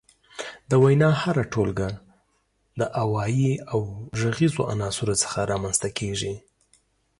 د وينا هره ټولګه د اوايي او غږيزو عناصرو څخه رامنځ ته کيږي.